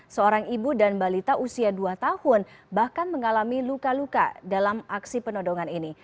seorang ibu dan balita usia dua tahun bahkan mengalami luka luka dalam aksi penodongan ini